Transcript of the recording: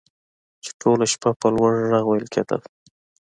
چې ټوله شپه په لوړ غږ ویل کیدل